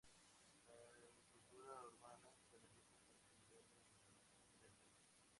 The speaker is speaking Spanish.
La agricultura urbana se realiza para actividades de producción de alimentos.